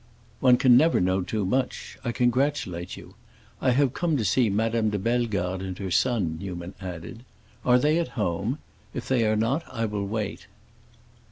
"One can never know too much. I congratulate you. I have come to see Madame de Bellegarde and her son," Newman added. "Are they at home? If they are not, I will wait."